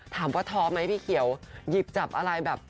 ถามว่าท้อไหมพี่เฮียวหยิบจับอะไร